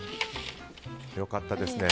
良かったですね。